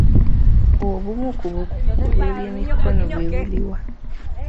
Obumu ku bukugu bw'ebyemikono bwe buliwa?